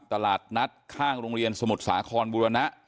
ตลาดนัดข้างโรงเรียนสมุทรสาครบูรณะ